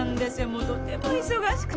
もうとても忙しくて。